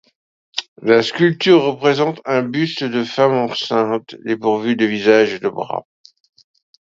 La sculpture représente un buste de femme enceinte dépourvue de visage et de bras.